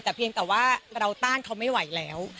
แต่เพียงแต่ว่าเราต้านเขาไม่ไหวแล้ว